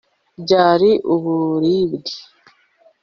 Byari uburibwe